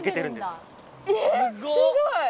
すごい。